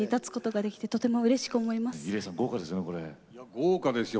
豪華ですよ。